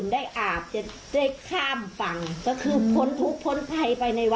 มันสอนแบบนั้น